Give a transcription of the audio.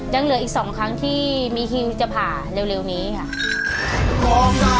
ยังเหลืออีก๒ครั้งที่มีคิวจะผ่าเร็วนี้ค่ะ